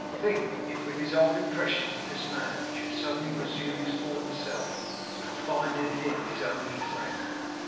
Think, if with his old impressions of this man, he should suddenly resume his former self, and find in him his only friend!